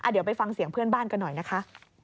เดี๋ยวไปฟังเสียงเพื่อนบ้านกันหน่อยนะคะ